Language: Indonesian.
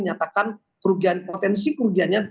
menyatakan kerugian potensi kerugiannya